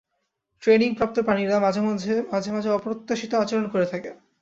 ট্রেইনিং-প্রাপ্ত প্রাণীরা মাঝেমাঝে অপ্রত্যাশিত আচরণ করে থাকে।